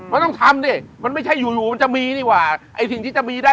มันต้องทำดิมันไม่ใช่อยู่อยู่มันจะมีนี่ว่าไอ้สิ่งที่จะมีได้